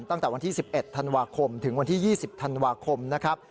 ตั้งแต่วันที่๑๑ธันวาคมถึงวันที่๒๐ธันวาคมนะครับ